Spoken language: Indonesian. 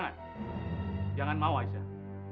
bapak ini gimana sih